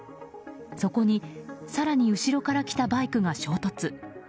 そこに、更に後ろから来たバイクが衝突。